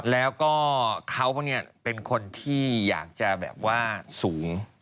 แล้วก็เขาเป็นคนที่อยากจะแบบว่าสูง